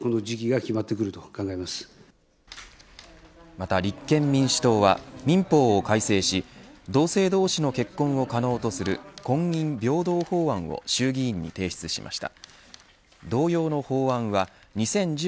また立憲民主党は民法を改正し同性同士の結婚を可能とする婚姻平等法案を衆議院に提出しました。